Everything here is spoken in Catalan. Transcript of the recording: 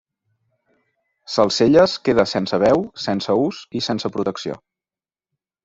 Salselles queda sense veu, sense ús i sense protecció.